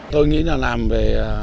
tôi nghĩ là làm về